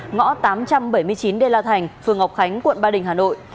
ngõ tám trăm bảy mươi chín đê la thành phường ngọc khánh quận ba đình hà nội